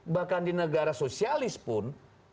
bahkan di negara sosialis pun